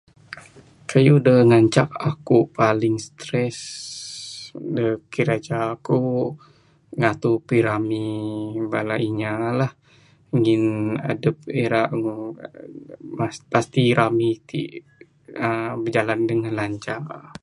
Keyuh dak ngancak aku paling stress da kerja ku ngatur pingrami bala inya lah, ngin adep ira ngu.. pasti rami t uhh bijalan dengan lancar.